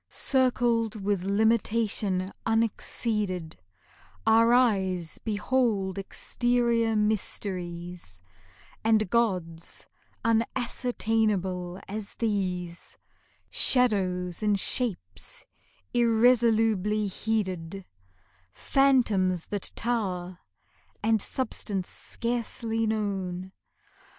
Circled with limitation unexceeded Our eyes behold exterior mysteries And gods unascertainable as these Shadows and shapes irresolubly heeded; Phantoms that tower, and substance scarcely known.